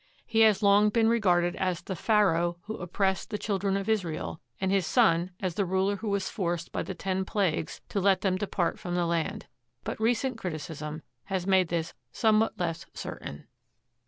He has long been regarded as the "Pharaoh" who oppressed the Children of Israel, and his son as the ruler who was forced by the ten plagues to let them depart from the land; but recent criti cism has made this somewhat less certain.